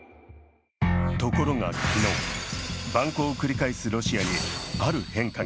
ところが昨日、蛮行を繰り返すロシアにある変化が。